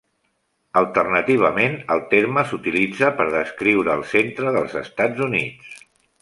Alternativament, el terme s'utilitza per descriure el centre dels Estats Units.